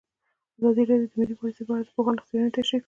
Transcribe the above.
ازادي راډیو د مالي پالیسي په اړه د پوهانو څېړنې تشریح کړې.